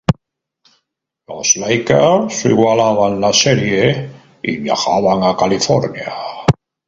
Los Lakers igualaban la serie y viajaban a California.